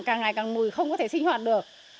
càng ngày càng mùi không có thể sinh hoạt được